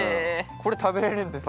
これ食べれるんですか？